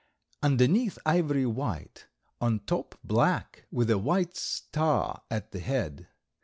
Underneath ivory white, on top black, with a white star at the head.